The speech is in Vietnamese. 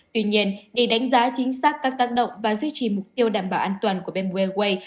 tuy nhiên để đánh giá chính xác các tác động và duy trì mục tiêu đảm bảo an toàn của bamboo airways